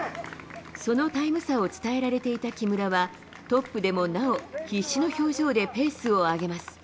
そのタイム差を伝えられていた木村は、トップでもなお、必死の表情でペースを上げます。